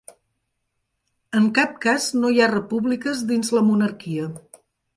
En cap cas no hi ha repúbliques dins la monarquia.